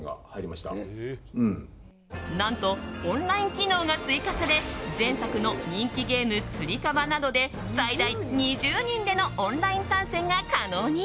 何とオンライン機能が追加され前作の人気ゲーム「つり革」などで最大２０人でのオンライン対戦が可能に。